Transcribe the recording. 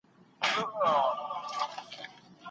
په راتلونکي کي دا ستونزي باید تکرار نسي.